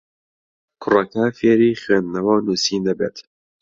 کوڕەکە فێری خوێندنەوە و نووسین دەبێت.